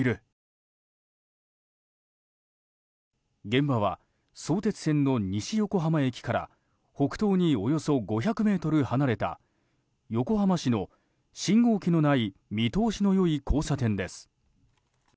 現場は相鉄線の西横浜駅から北東におよそ５００ｍ離れた横浜市の信号機のない見通しの良い交差点です。